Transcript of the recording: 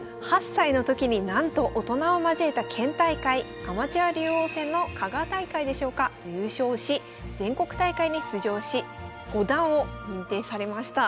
８歳の時になんと大人を交えた県大会アマチュア竜王戦の香川大会でしょうか優勝し全国大会に出場し五段を認定されました。